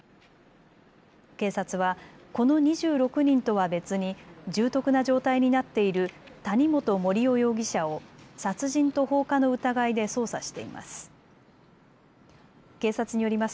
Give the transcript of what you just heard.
警察はこの２６人とは別に重篤な状態になっている谷本盛雄容疑者を殺人と放火の疑いで捜査しています。